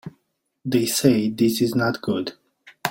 They say this is not good.